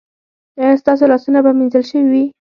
ایا ستاسو لاسونه به مینځل شوي وي؟